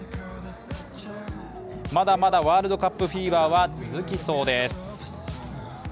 まだまだワールドカップフィーバーは続きそうです。